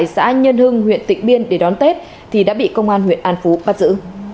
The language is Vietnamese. kính chào quý vị và các bạn đến với kênh công an huyện an phú